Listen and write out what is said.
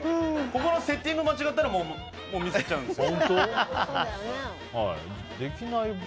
ここのセッティング間違ったらミスっちゃうんです。